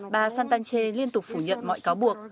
bà santace liên tục phủ nhận mọi cáo buộc